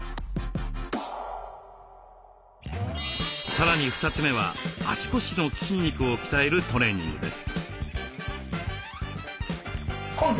さらに２つ目は足腰の筋肉を鍛えるトレーニングです。